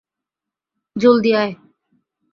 জলদি আয়।